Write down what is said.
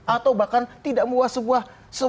atau bahkan tidak membuat sebuah